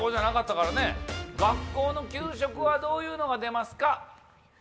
学校の給食はどういうのが出ますか？